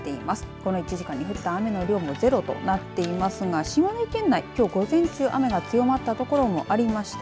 この１時間に降った雨の量もゼロとなっていますが島根県内、きょう午前中雨が強まった所もありました。